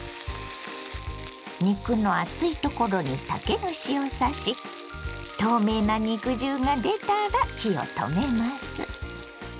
肉の厚いところに竹串を刺し透明な肉汁が出たら火を止めます。